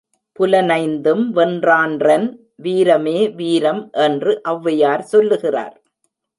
புலனைந்தும் வென்றான்றன் வீரமே வீரம் என்று ஒளவையார் சொல்லுகிறார்.